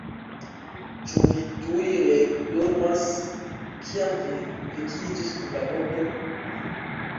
Ĉu vi tuj reekdormas, kiam vi vekiĝis dum la nokto?